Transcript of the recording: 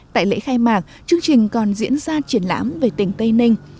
tại lễ khai mạc chương trình còn diễn ra triển lãm về tỉnh tây ninh